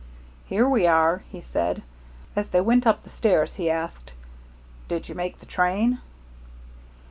"Here we are," he said. As they went up the stairs he asked: "Did you make the train?"